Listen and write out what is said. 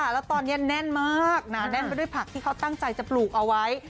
แล้วตอนนี้แน่นมากหนาแน่นไปด้วยผักที่เขาตั้งใจจะปลูกเอาไว้